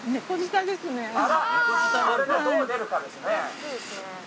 これがどう出るかですね。